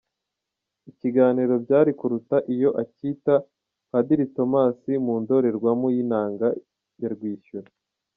Ikiganiro byari kuruta iyo acyita “Padiri Tomasi mu ndorerwamo y’inanga ya Rwishyura”.